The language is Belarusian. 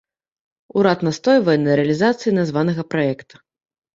Урад настойвае на рэалізацыі названага праекта.